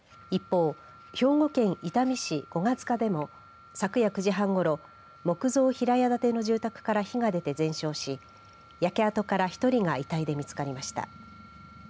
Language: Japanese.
一方、兵庫県伊丹市御願塚でも昨夜９時半ごろ木造平屋建ての住宅から火が出て全焼し焼け跡から１人が遺体で見つかりました。